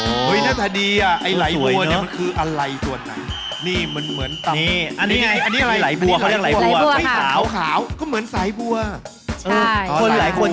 เฮ้ยหน้าตาดีไอลายบัวเนี้ยมันคืออะไรตัวหน่อย